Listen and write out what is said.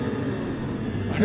あれ？